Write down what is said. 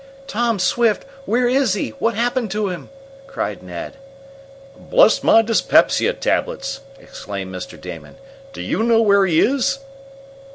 "Tom Swift? Where is he? What's happened to him?" cried Ned. "Bless my dyspepsia tablets!" exclaimed Mr. Damon. "Do you know where he is?"